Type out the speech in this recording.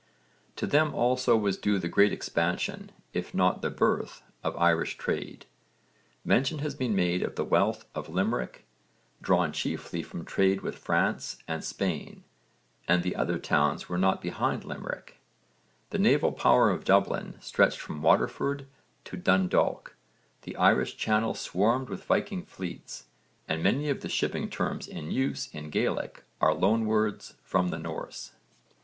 To them also was due the great expansion, if not the birth, of Irish trade. Mention has been made of the wealth of Limerick (v. supra, p. 97), drawn chiefly from trade with France and Spain, and the other towns were not behind Limerick. The naval power of Dublin stretched from Waterford to Dundalk, the Irish channel swarmed with Viking fleets, and many of the shipping terms in use in Gaelic are loan words from the Norse.